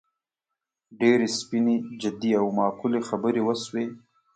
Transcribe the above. ډېرې سپینې، جدي او معقولې خبرې وشوې.